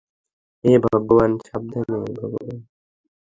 হে ভগবান - সাবধানে।